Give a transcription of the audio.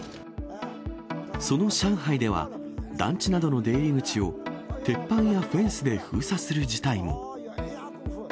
その上海では、団地などの出入り口を鉄板やフェンスで封鎖する事態も。